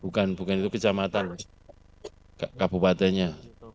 bukan bukan itu kecamatan kabupatennya